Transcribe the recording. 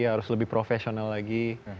harus lebih profesional lagi